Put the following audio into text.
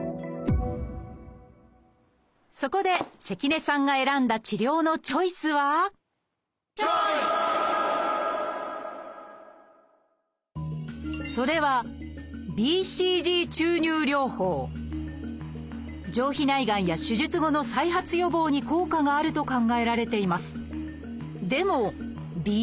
そこで関根さんが選んだ治療のチョイスはそれは上皮内がんや手術後の再発予防に効果があると考えられています。